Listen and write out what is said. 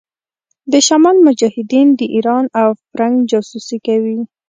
د شمال مجاهدين د ايران او فرنګ جاسوسي کوي.